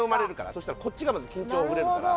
そしたらこっちがまず緊張ほぐれるから。